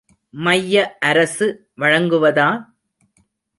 மைய அரசு வழங்குவதா?